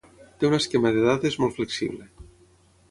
Té un esquema de dades molt flexible.